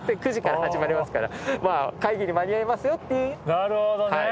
なるほどね。